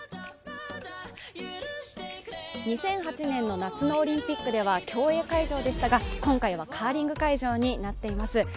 ２００８年の夏のオリンピックでは競泳会場でしたが今回はカーリング会場になっています。